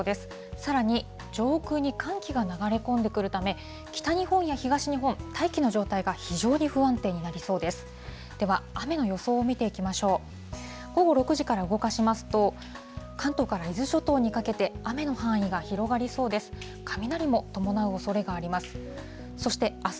さらに上空に寒気が流れ込んでくるため、北日本や東日本、大気の状態が非常に不安定になりそうです。